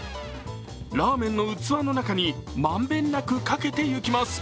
ラーメンの器の中にまんべんなくかけていきます。